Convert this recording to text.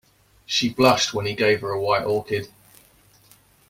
She blushed when he gave her a white orchid.